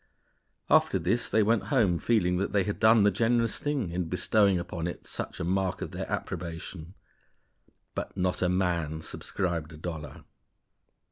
After this they went home feeling that they had done the generous thing in bestowing upon it such a mark of their approbation. _But not a man subscribed a dollar.